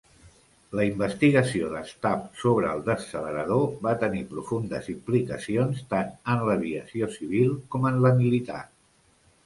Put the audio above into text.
La investigació de Stapp sobre el descelerador va tenir profundes implicacions tant en l'aviació civil com en la militar.